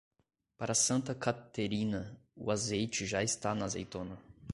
Para Santa Caterina, o azeite já está na azeitona.